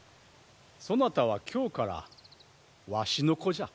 そなたは今日からわしの子じゃ。